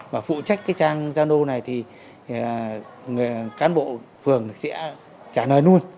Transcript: và phụ trách cái trang gia lô này thì cán bộ phường sẽ trả lời luôn